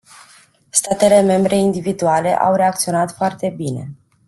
Statele membre individuale au reacționat foarte bine.